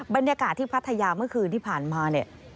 บรรยากาศที่พัทยาเมื่อคืนที่ผ่านมาเนี่ย